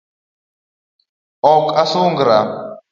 Ok asungra